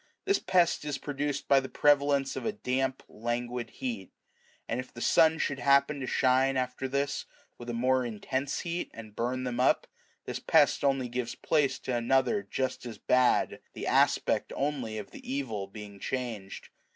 This pest is produced by the prevalence of a damp, languid heat ; and if the sun should happen to shine after this with a more intense heat and burn them up, this pest only gives place to another2 just as bad, the aspect only of the evil being changed.